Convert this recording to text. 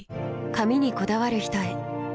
髪にこだわる人へ。